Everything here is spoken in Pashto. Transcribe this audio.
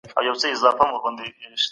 څېړنه له عادي لیکنې څخه ډېر دقت غواړي.